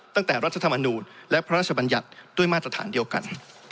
ตั้งแต่รัฐธรรมนุษย์และพระราชบัญญัติด้วยมาตรฐานเดียวกัน